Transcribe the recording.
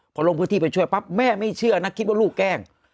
พอลงพื้นที่ไปช่วยปั๊บแม่ไม่เชื่อนะคิดว่าลูกแกล้ง